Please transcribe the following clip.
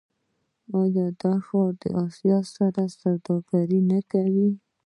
آیا دا ښار له اسیا سره سوداګري نه کوي؟